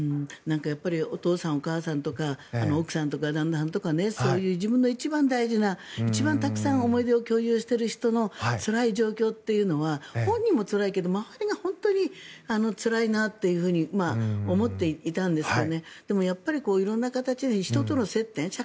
やっぱりお父さんお母さんとか奥さんとか旦那さんとかそういう自分の一番大事な一番たくさん思い出を共有している人のつらい状況というのは本人もつらいけど周りが本当につらいなって思っていたんですけど